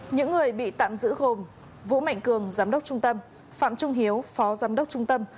những người bị tạm giữ gồm vũ mạnh cường giám đốc trung tâm phạm trung hiếu phó giám đốc trung tâm